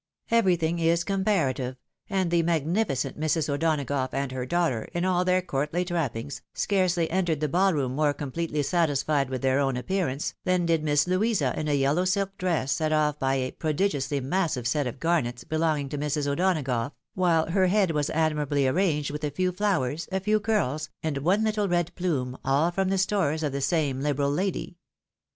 Everything is comparative ; and the magniiioent Mrs. O'Donagough and her daughter, in aU their courtly trappings, scarcely entered the feall room more completely satisfied with their own appearance, than did Miss Louisa in a yellow silk dress, set off by a prodigiously massive set of garnets belonging to Mrs. O'Donagough, while her head was admirably arranged with a few flowers, a few curls, and one httle red plume, all from the stores of the same hberal lady.